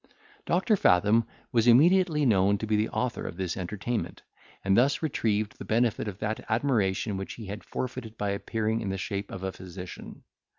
Doctor Fathom was immediately known to be the author of this entertainment; and thus retrieved the benefit of that admiration which he had forfeited by appearing in the shape of a physician.